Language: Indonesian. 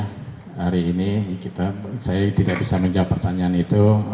hari ini saya tidak bisa menjawab pertanyaan itu